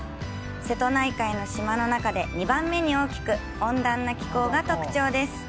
瀬戸内海の島の中で２番目に大きく温暖な気候が特徴です。